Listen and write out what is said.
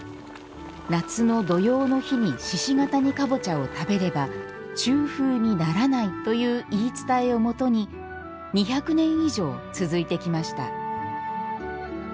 夏の土用の日に鹿ケ谷かぼちゃを食べれば中風にならないという言い伝えをもとに２００年以上続いてきました。